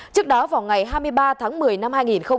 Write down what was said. trước đó vào ngày hai mươi ba tháng một mươi năm hai nghìn một mươi chín